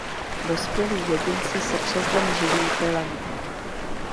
Dospělí jedinci se přes den živí pylem.